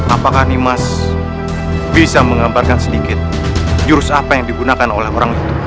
apakah ini mas bisa menggambarkan sedikit jurus apa yang digunakan oleh orang itu